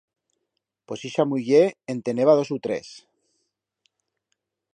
Pos ixa muller en teneba dos u tres.